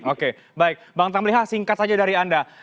oke baik bang tamliha singkat saja dari anda